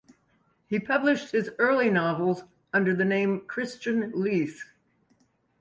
He published his early novels under the name Christian Lys.